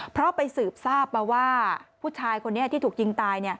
เพราะไปสืบทราบมาว่าผู้ชายคนนี้ที่ถูกยิงตาย